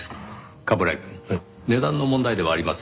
冠城くん値段の問題ではありません。